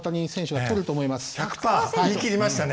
言い切りましたね。